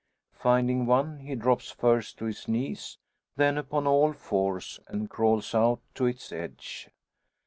Finding one, he drops first to his knees, then upon all fours, and crawls out to its edge.